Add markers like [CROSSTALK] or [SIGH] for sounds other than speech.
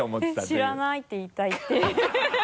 「えっ知らない」って言いたいっていう [LAUGHS]